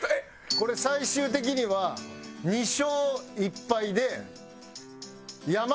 これ最終的には２勝１敗で山内の勝利！